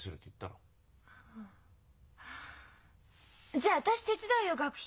じゃあ私手伝うよ学費。